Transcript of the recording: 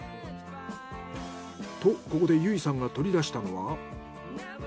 とここで由衣さんが取り出したのは。